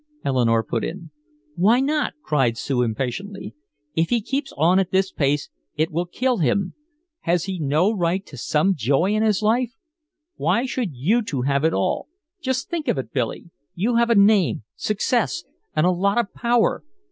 Eleanore put in. "Why not?" cried Sue impatiently. "If he keeps on at this pace it will kill him! Has he no right to some joy in life? Why should you two have it all? Just think of it, Billy, you have a name, success and a lot of power!